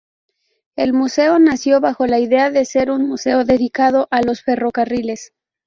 El museo nació bajo la idea de ser un museo dedicado a los ferrocarriles.